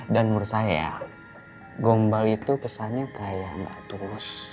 dan menurut saya ya gombal itu kesannya kayak gak tulus